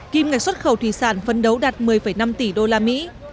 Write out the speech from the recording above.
kim ngạch xuất khẩu thủy sản phân đấu đạt một mươi năm tỷ usd